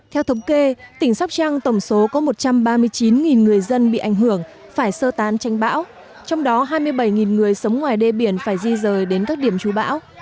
theo thống kê tỉnh sóc trăng tổng số có một trăm ba mươi chín người dân bị ảnh hưởng phải sơ tán tranh bão trong đó hai mươi bảy người sống ngoài đê biển phải di rời đến các điểm chú bão